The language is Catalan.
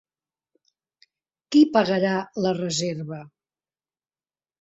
Qui pagarà la reserva?